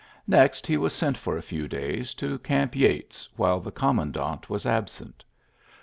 Next he was sent for a few days to Gamp Yates while the commandant was absent.